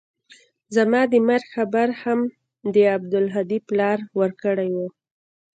زما د مرګ خبر هم د عبدالهادي پلار ورکړى و.